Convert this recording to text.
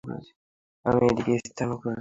আমি এদিকে স্নান করছি আর তুই এদিকে ঘামছিস!